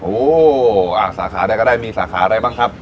โอ้สาขาใดก็ได้มีสาขาอะไรบ้างครับ